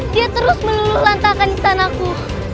dia terus meluluh lantakan istanaku